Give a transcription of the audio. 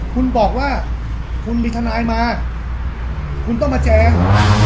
คุณบอกว่าคุณมีทนายมาคุณต้องมาแจง